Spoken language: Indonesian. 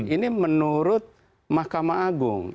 ini menurut mahkamah agung